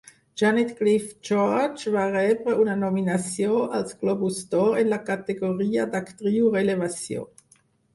Jeanette Cliff George va rebre una nominació als Globus d'Or en la categoria d'actriu revelació.